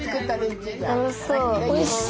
楽しそう。